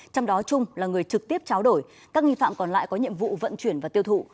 trong đó trung là người trực tiếp cháo đổi các nghi phạm còn lại có nhiệm vụ vận chuyển và tiêu thụ